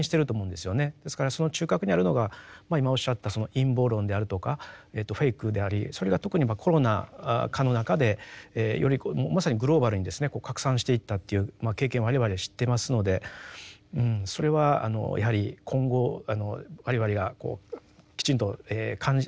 ですからその中核にあるのが今おっしゃったその陰謀論であるとかフェイクでありそれが特にコロナ禍の中でよりまさにグローバルにですね拡散していったという経験を我々知ってますのでそれはやはり今後我々がきちんと関心をですね